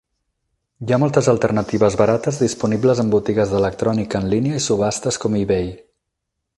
Hi ha moltes alternatives barates disponibles en botigues d'electrònica en línia i subhastes com eBay.